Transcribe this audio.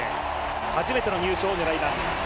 初めての入賞を狙います。